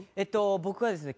僕はですね